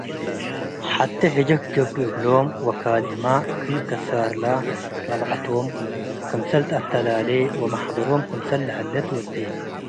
ሐቴ ህጅክ ገብእ እግሎም ወካልእመ፣ ክል-ከሳርለረብዐቶም ክምሰል ተአተላሌ ወመሕበሮም ክምሰል ለሀሌ ትወዴ ።